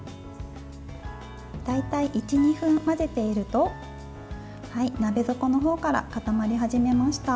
大体１２分混ぜていると鍋底のほうから固まり始めました。